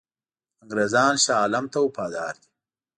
انګرېزان شاه عالم ته وفادار دي.